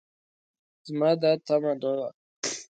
زما دا تمعه نه وه